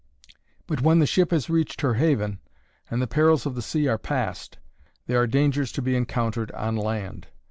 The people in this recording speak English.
But when the ship has reached her haven, and the perils of the sea are passed, there are dangers to be encountered on land.